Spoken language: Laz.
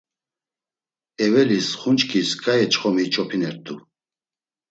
Eveliz Xunçkiz ǩai çxomi iç̌opinert̆u.